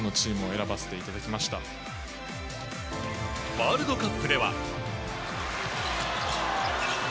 ワールドカップでは。